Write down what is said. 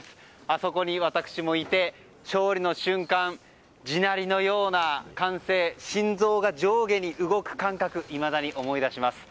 あそこに私もいて勝利の瞬間、地鳴りのような歓声心臓が上下に動く感覚いまだに思い出します。